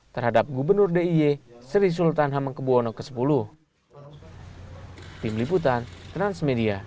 terhadap gubernur d i e sri sultan hamengkebuwono x